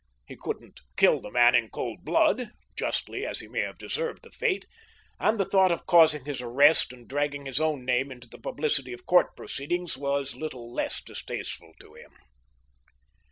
He couldn't kill the man in cold blood, justly as he may have deserved the fate, and the thought of causing his arrest and dragging his own name into the publicity of court proceedings was little less distasteful to him.